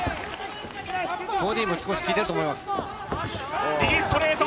ボディも少しきいていると思います。